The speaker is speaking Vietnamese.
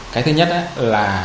cái thứ nhất là